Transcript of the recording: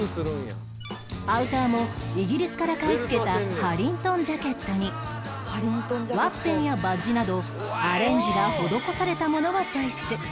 アウターもイギリスから買い付けたハリントンジャケットにワッペンやバッジなどアレンジが施されたものをチョイス